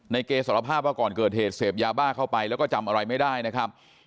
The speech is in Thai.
เกสารภาพว่าก่อนเกิดเหตุเสพยาบ้าเข้าไปแล้วก็จำอะไรไม่ได้นะครับ